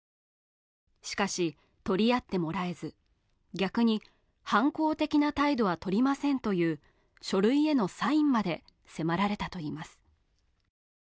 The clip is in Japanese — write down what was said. しかし取り合ってもらえず逆に反抗的な態度は取りませんという書類へのサインまで迫られたといいます